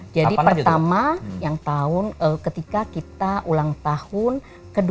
jadi pertama ketika kita ulang tahun ke dua puluh lima